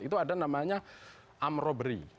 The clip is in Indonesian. itu ada namanya amroberi